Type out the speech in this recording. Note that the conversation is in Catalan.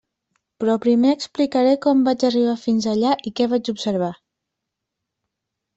Però primer explicaré com vaig arribar fins allà i què vaig observar.